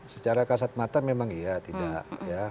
secara kasat mata memang iya tidak ya